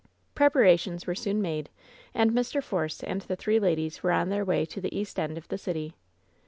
Preparations were soon made, and Mr. Force and the three ladies were on their way to the east end of the city.